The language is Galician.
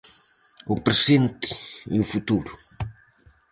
O presente e o futuro.